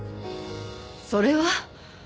それは。